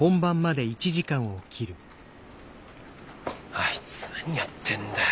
あいつ何やってんだよ。